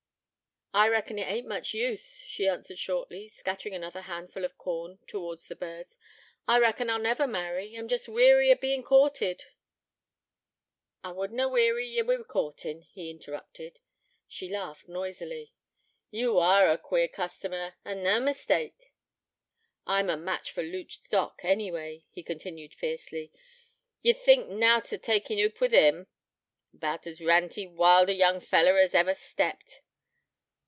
'I reckon it ain't much use,' she answered shortly, scattering another handful of corn towards the birds. 'I reckon I'll never marry. I'm jest weary o' bein' courted ' 'I would na weary ye wi' courtin',' he interrupted. She laughed noisily. 'Ye are a queer customer, an' na mistake.' 'I'm a match for Luke Stock anyway,' he continued fiercely. 'Ye think nought o' taking oop wi' him about as ranty, wild a young feller as ever stepped.'